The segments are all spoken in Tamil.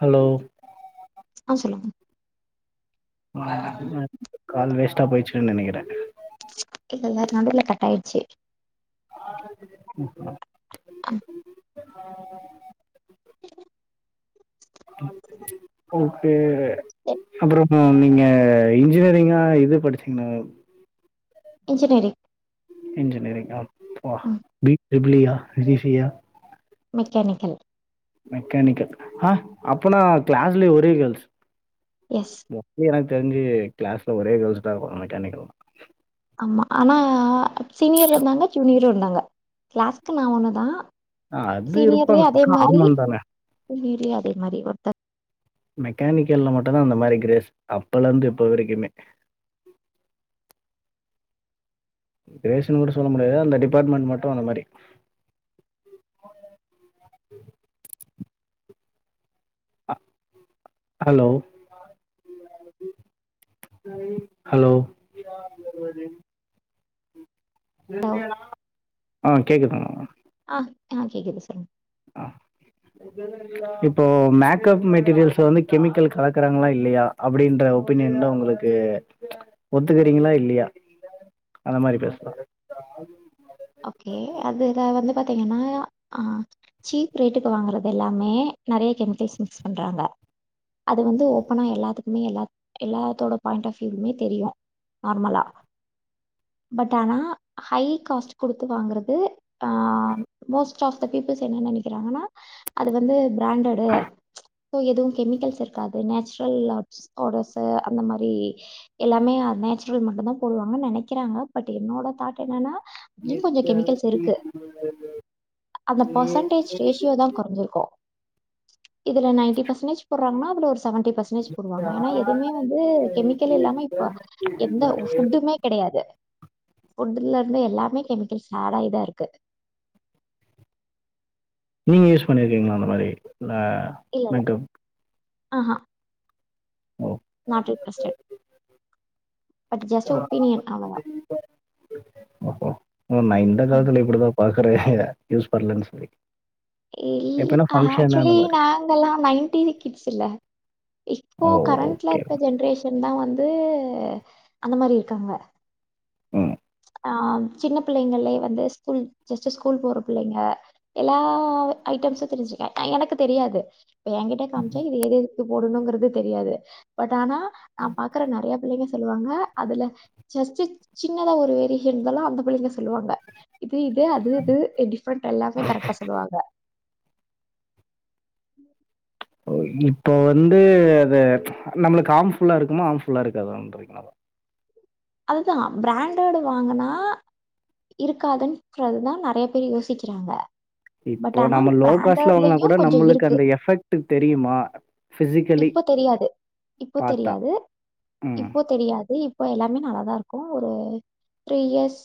ஹலோ ஆ சொல்லுங்க ம் கால் வேஸ்ட்டா போயிடுச்சுன்னு நெனைக்கிறே இல்லல்ல நடுவுல கட் ஆயிடுச்சு ம் ம் ம் [unintelligible] ஓகே அப்றம் மேம் நீங்க இன்ஜினியரிங்கா இது படிச்சீங்ளா இன்ஜினியரி இன்ஜினியரிங்கா அப்பா ம் B triple E yeah B C yeah mechanical mechanical ஆ அப்பனா கிளாஸ்லே ஒரே கேர்ள்ஸ் யெஸ் மோஸ்ட்லி எனக்கு தெரிஞ்சு கிளாஸ்ல ஒரே கேர்ள்ஸ்தா இருக்கு மெக்கானிக்கல் ஆமா ஆனா சீனியர் இருந்தாங்க ஜூனியரு இருந்தாங்க கிளாஸ்க்கு நா ஒன்னுதா ஆ அது சீனியர்லயு இருப்பாங்க அதே மாரி காமன் தானே ஜுனியர்லயு அதே மாரி ஒருத்தர் மெக்கானிக்கல்ல மட்டுந்தா அந்த மாரி கிரேஸ் அப்பல்லந்து இப்ப வரைக்குமே கிரேஸ்ன்னு கூட சொல்ல முடியாது அந்த டிபார்ட்மெண்ட் மட்டு அந்த மாரி ஹ ஹலோ ஹலோ ஹலோ. ஆ கேக்குதுங்க ஆ அ கேகுது சொல்லுங்க ஆ இப்போ மேக்கப் மெட்டீரியல்ஸ்ல வந்து கெமிக்கல் கலக்குறாங்களா இல்லையா அப்டின்ற ஒபீனியன்தா உங்களுக் கு ஒத்துக்கறீங்களா இல்லையா அந்த மாரி பேசலா அதாவது ஓகே அதுல வந்து பாத்தீங்கன்னா ஆ சீப் ரேட்டுக்கு வாங்கறது எல்லாமே நிறைய கெமிக்கல்ஸ் மிக்ஸ் பண்றாங்க அது வந்து ஓபனா எல்லாத்துக்குமே எல்லா எல்லாத்தோட பாயிண்ட் ஆஃப் வியூக்குமே தெரியும் நார்மலா பட் ஆனா ஹை காஸ்ட் குடுத்து வாங்கறது அ மோஸ்ட் ஆஃப் த பீப்புள்ஸ் என்ன நினைக்கிறாங்கன்னா அது வந்து பிராண்டடு ஸோ எதுவும் கெமிக்கல்ஸ் இருக்காது நேச்சுரல் ஆஷ்கட்ர்ஸு அந்த மாறி எல்லாமே அ நேச்சுரல் மட்டும்தான் போடுவாங்குன்னு நினைக்கிறாங்க பட் என்னோட தாட் என்னன்னா லியும் கொஞ்சம் கெமிக்கல்ஸ் இருக்கு அந்த பெர்சன்டேஜ் ரேஷியோ தான் குறைஞ்சிருக்கும் இதுல நைன்டி பெர்சென்டேஜ் போடுறாங்கன்னா அதுல ஒரு செவன்டி பெர்செண்டேஜ் வாங்க ஏன்னா எதுவுமே வந்து கெமிக்கல் இல்லாம இப்ப எந்த புட்டுமே கிடையாது புட்ல இருந்து எல்லாமே கெமிக்கல்ஸ் ஆட் ஆய் தான் இருக்கு நீங்க யூஸ் பண்ணியிருக்கீங்களா அந்த மாறி இல்ல இல்ல இல்ல ஆஹ ஓ நாட் இன்டர்ஸ்டட் ஆ ஓ நான் இந்த காலத்துல இப்படிதான் பாக்குறேன் யூஸ் பன்னலன்னு சொல்லி இ எப்பனா ஃபங்க்ஷன் ஆக்சுவலி அந்த மாதிரி நாங்கெல்லாம் நைன்டி கிட்ஸ்ல்ல இப்போ ஓ கரண்ட்ல ஓகே இருக்க ஜென்ரேஷன் தான் வந்து அந்த மாறி இருக்காங்க ம் ஆ சின்ன பிள்ளைங்களலே வந்து ஸ்கூல் ஜஸ்ட் ஸ்கூல் போற பிள்ளைங்க எல்லா ஐட்டம்ஸும் தெரிஞ்சுக்குவேன் ஆ எனக்கு தெரியாது எங்கிட்ட காம்ச்சா இது எது எதுக்கு போடணுங்கிறது தெரியாது பட் ஆனா நான் பாக்குற நறைய பிள்ளைங்க சொல்லுவாங்க அதுல ஜஸ்ட்டு சின்னதா ஒரு வேரியேஷன்ஸ்ல்லாம் அந்த புள்ளைங்க சொல்லுவாங்க இது இது அது அது டிப்ரெண்ட் எல்லாமே கரெக்ட்டா சொல்லுவாங்க இப்போ வந்து அது நம்மளுக்கு ஹாம்ஃபுல்லா இருக்குமா ஹாம்ஃபுல்லா இருக்காதா ன்றீங்களா அதுதான் பிராண்டடு வாங்கனா இருக்காதுன்றது தான் நெறைய பேர் யோசிக்கிறாங்க பட் இப்போ ஆனா நம்ம லோ காஸ்ட்ல வாங்னா கூட பிராண்டட்லயும் கொஞ்சம் நம்மளுக்கு இருக்கு அந்த எஃபெக்ட் தெரியுமா பிசிக்கலி இப்போ தெரியாது இப்போ பார்த்தா தெரியாது ம் இப்போ தெரியாது இப்போ எல்லாமே நல்லாதா இருக்கும் ஒரு த்ரீ இயர்ஸ்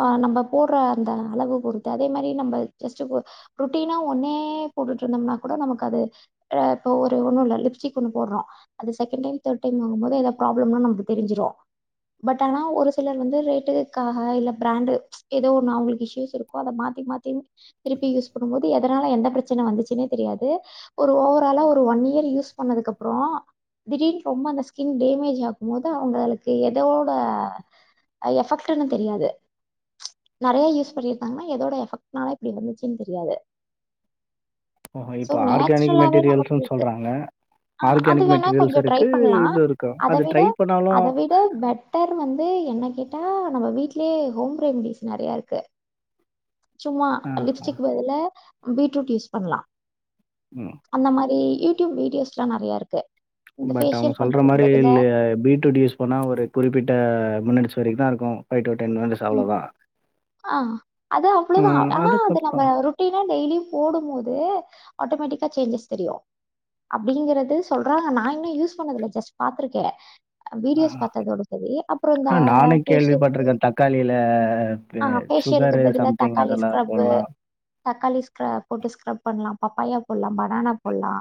ஆ நம்ப போடுற அந்த அளவு பொறுத்து அதே மாதிரி நம்ம ஜஸ்ட்டு ரொட்டீனா ஒன்னே போட்டுட்டு இருந்தோம்னா கூட நமக்கு அது இப்ப ஒரு ஒன்னும் இல்ல லிப்ஸ்டிக் ஒண்ணு போடுறோம் அது செகண்ட் டைம் தேர்ட் டைம் வாங்கும்போது எத பராப்ளம்னா நமக்கு தெரிஞ்சுரும் பட் ஆனா ஒரு சிலர் வந்து ரேட்டுக்காக இல்ல பிராண்டு ஏதோ ஒன்னு அவங்களுக்கு இஷ்யூஸ் இருக்கோ அத மாத்தி மாத்தி திருப்பி யூஸ் பண்ணும் போது எதனால எந்த பிரச்சனை வந்துச்சுன்னே தெரியாது ஒரு ஓவராலா ஒரு ஒன் இயர் யூஸ் பண்ணதுக்கு அப்புறம் திடீனு ரொம்ப அந்த ஸ்கின் டேமேஜ் ஆகும் போது அவங்களுக்கு எத் எதோட எஃபெக்ட்டுன்னு தெரியாது நறைய யூஸ் பண்ணியிருந்தாங்கன்னா எதோட எஃபெக்ட்னால இப்படி வந்துச்சுன்னு தெரியாது ஓஹோ! சோ இப்ப ஆர்கானிக் நேச்சுரலாவே நமக்கு மெட்டீரியல்ஸ்ன்னு இருக்கு சொல்றாங்க. ஆ அது ஆர்கானிக் வேணா கொஞ்ச மெட்டீரியல்ஸ் ட்ரை இருக்கு, பண்லா இது இருக்கு. அத அது விட ட்ரை பண்ணாலும் அத விட பெட்டர் வந்து என்ன கேட்டா நம்ம வீட்லே ஹோம் ரெம்டிஸ் நெறையா இருக்கு சும்மா அ லிப்ஸ்டிக் பதுல பீட்ரூட் யூஸ் பண்லா ம்மா அந்த மாரி யூட்யூப் வீடியோஸ்லா நெறையா இருக்கு இந்த பட் அவ்ங்க ஃபேஷியல் சொல்ற பண்றதுக்கு மாரி பதிலா இல்ல பீட்ரூட் யூஸ் பண்ணா ஒரு குறிப்பிட்ட மினிட்ஸ் வரைக்கு தா இருக்கு ஃபைவ் டூ டென்‌ மினிட்ஸ் ம் அவ்ளதா ஆ அது அவ்ளோதா ஆனா அத நம்ப அதுக்கப்புறம் ஒரு ரொட்டீனா டெய்லியு போடும் போது ஆட்டோமேட்டிக்கா சேஞ்சஸ் தெரியு அப்டிங்கிறது சொல்றாங்க நா இன்னு யூஸ் பண்ணதில்ல ஜஸ்ட் பாத்துருக்கே அ வீடியோஸ் பாத்ததோடு செரி அப்றோ இந்த பேஷியல் கிட் காலைல ஆ ஹா ஃபேஷியலுக்கு பதிலா தக்காளி ஸ்க்ரப்பு போடலாம். தக்காளி ஸ்க்ரப் போட்டு ஸ்கிரப் பண்லா பப்பாயா போட்லா பனானா போட்லா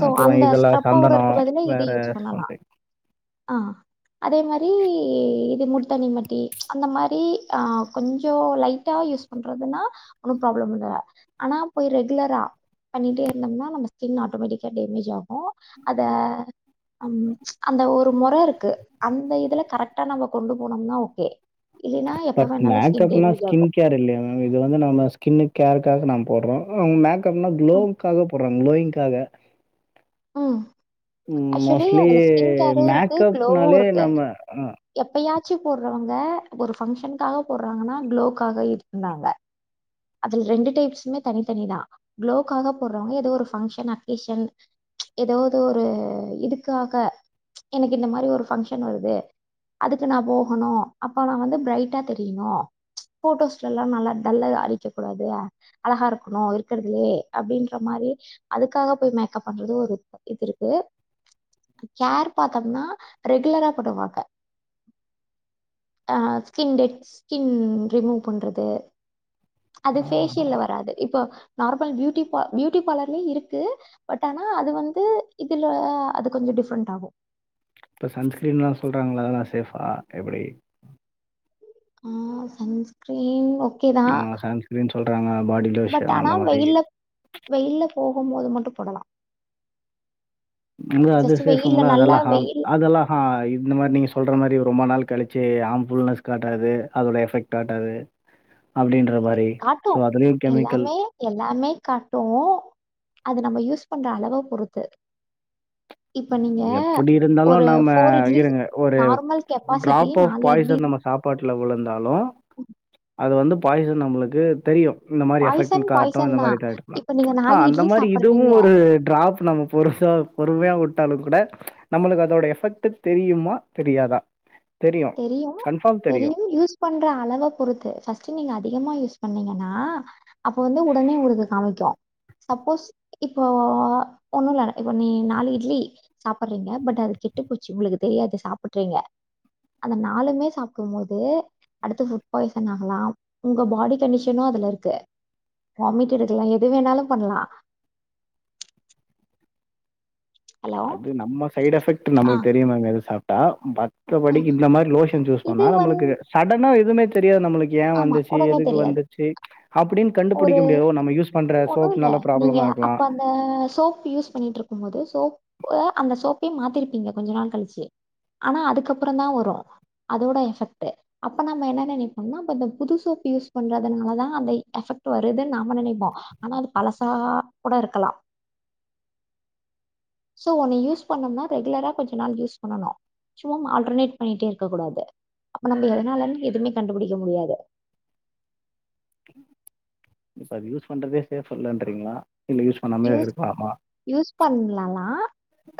சோ அப்புறம் அந்த இதெல்லாம் சந்தனம், ஸ்கரப்ஸபவுடருக்கு பதிலா இத வேற யூஸ் பண்ணலா சம்திங். ஆ அதே மாரி இது முல்தாணி மட்டி அந்த மாரி ஆ கொஞ்ச லைட்டா யூஸ் பண்றதுனா ஒன்னு ப்ராப்ளம் இல்ல ஆனா போய் ரெகுலரா பண்ணிட்டே இருந்தம்னா நம்ம ஸ்கின் ஆட்டோமேட்டிக்கா டேமேஜ் ஆகு அத அம் அந்த ஒரு மொற இருக்கு அந்த இதுல கரெக்டா நம்ம கொண்டு போனம்னா ஓகே இல்லைனா எப் பட் மேக்கப்னா ஸ்கின் கேர் இல்லையா மேம் இது வந்து நம்ம ஸ்கின்னு கேருக்காக நாம் போட்றோ ம் மேக் இப்ப என்ன ம் க்ளோவுக்காக போறாங்க குளோயி்ங்காக ம் ம் ஆக்சுவலி மோஸ்ட்லி அதுல ஸ்கின் கேரு இருக்கு க்ளோவு மேக்கப்னாலே இருக்கு நம்ம அ ஆ எப்பயாச்சு போட்றவுங்க ஒரு ஃபங்க்ஷனுக்காக போட்றாங்கனா க்ளோக்காக இருக்குந்தாங்க அதுல ரெண்டு டைப்ஸ்மே தனித்தனி தா குளோக்காக போடாறவ்ங்க எதோ ஒரு பங்க்ஷன் அக்கேஷன் எதாவ்து ஒரு இதுக்காக எனக்கு இந்த மாரி ஒரு ஃபங்க்ஷன் வருது அதுக்கு நா போகணு அப்ப நா வந்து பிரைட்டா தெரியணு போட்டோஸ்டெல்லா நல்லா டல்லா அல் ச்ச கூடாதுல அழகா இருக்கணு இருக்கறதுலே அப்டின்ற மாரி அதுக்காக போய் மேக்கப் பண்றது ஒரு இது இருக்கு கேர் பாத்தம்னா ரெகுலரா படுவாங்க ஆ ஸ்கின் டெட் ஸ்கின் ரிமூவ் பண்றது அது ஆ ஃபேஷியல்ல வராது இப்போ நார்மல் பியூட்டி பா பியூட்டி பார்லர்லயு இருக்கு பட் ஆனா அது வந்து இதுல அது கொஞ்ச டிஃப்ரெண்ட் ஆகு இப்ப சன்ஸ்கிரீன்லா சொல்றாங்கள அதெல்லா சேஃபா எப்டி ஆ சன்ஸ்க்ரீன் ஓ ஆ சன்ஸ்க்ரீன் சொல்றாங்க பாடி பட் லோஷன் ஆனா அந்த மாரி வெயில்ல வெயில்ல போகம் போது மட்டு போடலா ரொம்ப அது ஜஸ்ட் வெயில்ல சேஃபுங்ளா நல்லா அதெல்லா ஹான் வெயில் அதெல்லா ஆ இந்த மாரி நீங்க சொல்ற மாரி ரொம்ப நாள் கழிச்சு ஹார்ம்ஃபுல்னஸ் காட்டாது அதோட எஃபெக்ட் காட்டாது அப்டின்ற மாரி காட்டு சோ அதுலயு கெமிக்கல் எல்லாமே எல்லாமே காட்டு அது நம்ம யூஸ் பண்ற அளவ பொறுத்து இப்ப நீங்க எப்டி இருந்தாலு ஒரு நம்ம ஃபோர் இட்லி இருங்க ஒரு நார்மல் கெப்பாசிட்டி ட்ராப் ஆஃப் நாலு இட்லி பாய்சன் நம்ம சாப் பாட்டல விழுந்தாலு அது வந்து பாய்சன் நம்மளுக்கு தெரியு இந்த மாரி பாய்சன் எபெக்ட்னு காட்டு பாய்சன் அந்த தா மாரி இப்ப நீங்க நாலு அந்த இட்லி மாரி இதுவு சாப்புட்றீங்க ஒரு ட்ராப் நம்ம பொருசா பொறுமையா உட்டாலு கூட நம்மளுக்கு அதோட எஃபெக்ட் தெரியுமா தெரியாதா தெரியு கன்ஃபார்ம் தெரியு பண்ற அளவ பொறுத்து ஃபஸ்ட்டு நீங்க அதிகமா யூஸ் பண்ணீங்கனா அப்ப வந்து உடனே உங்களுக்கு காமிக்கு சப்போஸ் இப்போ ஒண்ணு இல்ல இப்போ நீ நாலு இட்லி சாப்பறீங்க பட் அது கெட்டு போச்சி உங்களுக்கு தெரியாது சாப்ட்றீங்க அந்த நாளுமே சாப்டும் போது அடுத்து ஃபுட் பாய்சன் ஆகலா உங்க பாடி கண்டிஷனு அதுல இருக்கு வாமிட் எடுக்கலா எது வேணாலு பண்ணலா ஹலோ அது நம்ம சைடு் எஃபெக்ட் ஆ நம்ளுக்கு தெரியு மேம் எது சாப்ட்டா மட்ர ஆ படிக்கு இந்த மாரி லோஷன் யூஸ் இது பண்ணா வந் நம்மளுக்கு சடனா எதுமே தெரியாது நம்ளுக் ஏன் ஆமா வந்துச்சு உடனே எதுக்கு தெரியாது வந்துச்சு அப்டின் ஒரு கண்டுபுடிக்க முடியாது ஓ நம்ம யூஸ் பண்ற சோப்னால ப்ராபளமா இருக்கலா த அ சோப் யூஸ் பண்ணிட்டு இருக்கும் போது சோப்பு அந்த சோப்பயே மாதிருப்பீங்க கொஞ்ச நாள் கழிச்சி ஆனா அதுக்கப்றம் தா வரு அதோட எஃபெக்ட்டு அப்ப நாம என்ன நெனைப்போனா நம்ம இந்த புது சோப் யூஸ் பண்றதுனாலதா அந்த எஃபெக்ட் வருதுன்னு நாம நெனைப்போ ஆனா அது பழசா கூட இருக்கலா சோ ஒன்னு யூஸ் பண்ணும்னா ரெகுலரா கொஞ்ச நாள் யூஸ் பண்ணனு சும்மா ஆல்டர்னேட் பண்ணிட்டே இருக்க கூடாது அப்ப நம்ம எதனால எதுவுமே கண்டுபுடிக்க முடியாது இப்ப அது யூஸ் பண்றதே சேஃப் இல்லன்ட்றீங்களா இல்ல யூஸ் பண்ணாமே இருக்லாமா யூஸ் பண்லலா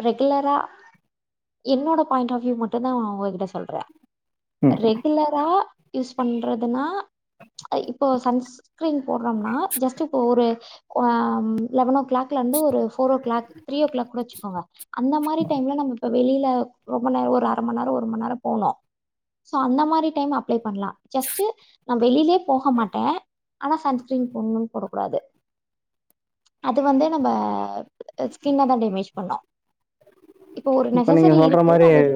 ரெகுலரா என்னோட பாயிண்ட் ஆஃப் யூ மட்டுதா உங்ககிட்ட சொல்ற ம். ரெ குல்லரா யூஸ் பண்றதுன்னா அ இப்போ சன்ஸ்கிரீன் போறோம்னா ஜஸ்ட் இப்போ ஒரு ஆ ம் லெவன் ஓ கிளாக் இலந்து ஒரு ஃபோரோ o'clock three o'clock கூட வச்சிகோங்க அந்த மாரி டைம்ல நம்ம இப்ப வெளில ரொம்ப நேர ஒரு அர மண் நேரோ ஒரு மண் நேரோ போனோ சோ அந்த மாரி டைம்ல அப்ளே பண்லா ஜஸ்ட்டு நா வெளிலே போக மாட்ட ஆனா சன்ஸ்கிரீன் போடனுன் போடக் கூடாது அது வந்து நம்ம ஸ்கின்னதா டேமேஜ் பண்ணு இப்போ ஒரு இப்ப நீங்க நெசசரி சொல்ற இருக்கு மாரி நா வெளி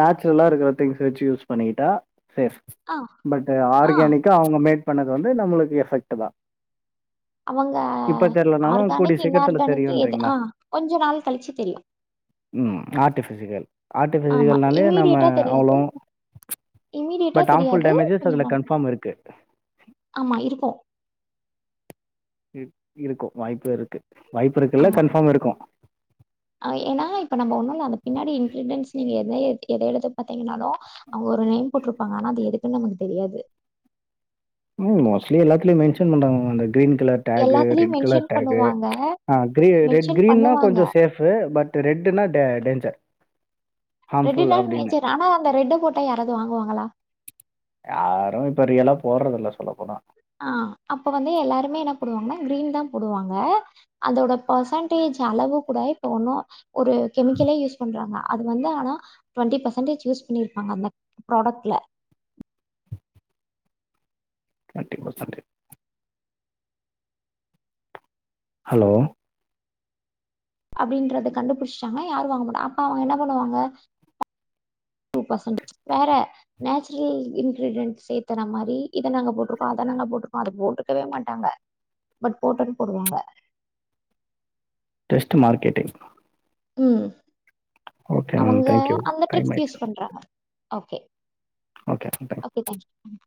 நேச்சுரலா இருக்கிற திங்ஸ் வச்சி யூஸ் பண்ணிட்டா சேஃப் ஆ பட் ஆ ஆர்கானிக் கா அவுங்க மேட் பண்ணது வந்து நம்மளுக்கு எஃபெக்ட்தா அவுங்க தெர்லனாலும் கூடிய ஆர்கானிக் சீக்கிரத்துல இன்ஆர்கானிக் எது தெரியுன்றீங்களா? ஆ கொஞ்ச நாள் கழிச்சு தெரியு ம் ஆர்ட்டிஃபிஷிகல் ஆமா ஆர்ட்டிஃபிஷிக்கல்னாலே நம்ம அவ்ளோ இம்மீடியெட்டா பட் ஹார்ம்ஃபுல் தெரியாது டேமேஜஸ் கொஞ்ச அதுல நாள் கன்ஃபார்ம் இருக்கு. ஆமா இருக்கு இருக்கோ வாய்பு இருக்கு வாய்பு இருக்குல்ல கன்ஃபார்ம் இருக்கு ஆ ஏனா இப்ப நம்ம ஒண்ணுயில்ல அந்த பின்னாடி இன்கிரிடியன்ட்ஸ் நீங்க எத எத எடுத்து பாத்தீங்கன்னாலு அவுங்க ஒரு நேம் போட்டுருப்பாங்க ஆனா அது எதுக்குன்னு நமக்கு தெரியாது ம் மோஸ்லி எல்லாதுலையு மென்ஸன் பன்றாங்க இந்த கிரீன் கலர் டேக்கு எல்லாத்துலயும் ரெட் கலர் மென்ஷன் டேக்கு பண்ணுவாங்க ஆ கீரி ரெட் மென்ஷன் கிரீனா பண்ணுவாங்க கொஞ்ச சேஃப் பு பட் ரெட்டுனா டே டேஞ்ஜர் ரெட்டுதா நேச்சர் ஆனா அந்த ரெட்டு போட்டா யாராவது வாங்குவாங்களா யாரு இப்ப ரியெல்லா போட்றதில்ல சொல்ல போனா ஆ அப்ப வந்து எல்லாருமே என்ன போடுவாங்கன்னா கிரீன் தா போடுவாங்க அதோட பர்சன்டேஜ் அளவு கூட இப்போ ஒன்னு ஒரு கெமிக்கலே யூஸ் பண்றாங்க அது வந்து ஆனா டுவெண்ட்டி பெர்சன்டேஜ் யூஸ் பண்ணிருப்பாங்க அந்த ப்ராடக்ட்ல டுவென்டி பர்சன்ட்டு ஹலோ அப்டின்றத கண்டுபிடிச்டாங்கனா யாரு வாங்க மாட்டா அப்ப அவங்க என்ன பண்ணுவாங்க டூ பர்சன்டு வேற நேச்சுரிலி இன்கிரீடியன்ட் சேத்துற மாரி இத நாங்க போட்ருக்கோ அத நாங்க போட்ருக்கோ அத போட்ருக்கவே மாட்டாங்க பட் போட்டன் போடுவாங்க ஜஸ்ட் மார்கெட்டிங் ம் ஓகே மேம் அவுங்க தேங்க்யூ அந்த டைம் ட்ரிக்ஸ் ஆயிடுச்சு யூஸ் பண்றாங்க ஓகே ஓகே பண்ட ஓகே தேங்க் ம்